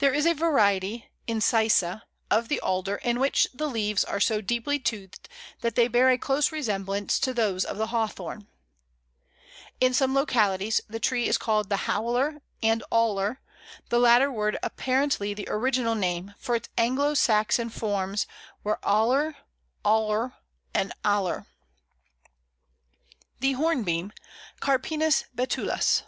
There is a variety (incisa) of the Alder in which the leaves are so deeply toothed that they bear a close resemblance to those of the Hawthorn. In some localities the tree is called the Howler and Aller, the latter word apparently the original name, for its Anglo Saxon forms were ælr, alr, and aler. [Illustration: Pl. 20. Alder winter.] The Hornbeam (Carpinus betulus).